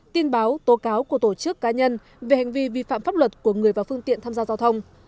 tin báo tố cáo của tổ chức cá nhân về hành vi vi phạm pháp luật của người và phương tiện tham gia giao thông